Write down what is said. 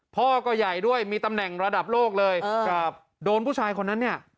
พ่อก็ใหญ่ด้วยมีตำแหน่งระดับโลกเลยครับโดนผู้ชายคนนั้นเนี่ย